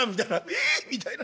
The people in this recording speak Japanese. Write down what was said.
えみたいな。